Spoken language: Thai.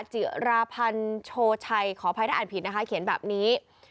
จิราพันธ์โชชัยขออภัยถ้าอ่านผิดนะคะเขียนแบบนี้